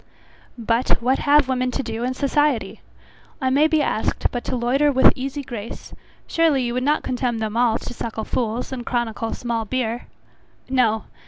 But what have women to do in society? I may be asked, but to loiter with easy grace; surely you would not condemn them all to suckle fools, and chronicle small beer! No.